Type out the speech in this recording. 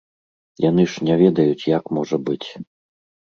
Яны ж не ведаюць, як можа быць.